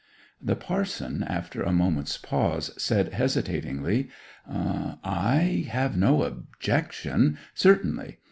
The parson, after a moment's pause, said hesitatingly, 'I have no objection; certainly.